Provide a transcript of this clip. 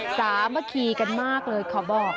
สามัคคีกันมากเลยขอบอก